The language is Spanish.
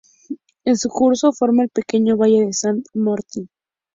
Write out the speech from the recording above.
En su curso forma el pequeño valle de Sant Martí.